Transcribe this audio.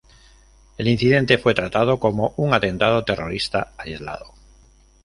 El incidente fue tratado como un "atentado terrorista aislado".